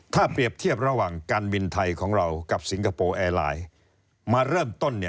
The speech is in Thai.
ถ้าเปรียบเทียบระหว่างการบินไทยของเรากับสิงคโปร์แอร์ไลน์มาเริ่มต้นเนี่ย